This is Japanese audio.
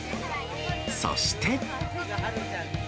そして。